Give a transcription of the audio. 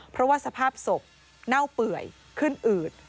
เพราะว่าสภาพศพเน่าเปื่อยขึ้นอืด